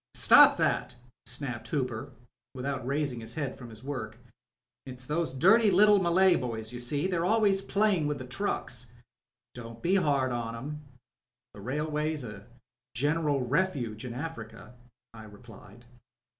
"Stop thatl" snapped Hooper, without raising his head from his work. "It's those dirty little Malay boys, you see: they're always playing with the trucks. ..." "Don't be hard on 'em. The railway's a general refuge in Africa," I replied.